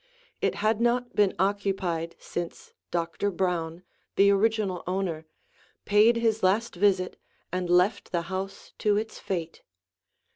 It had not been occupied since Doctor Brown, the original owner, paid his last visit and left the house to its fate.